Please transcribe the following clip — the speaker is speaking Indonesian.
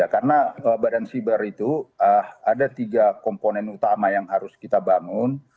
karena badan siber itu ada tiga komponen utama yang harus kita bangun